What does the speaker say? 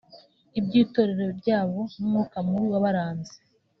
iby’itorero ryabo n’umwuka mubi wabaranze